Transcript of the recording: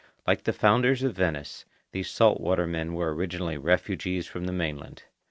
Like the founders of Venice, these salt water men were originally refugees from the mainland.